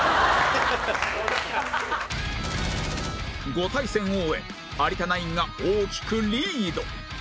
５対戦を終え有田ナインが大きくリード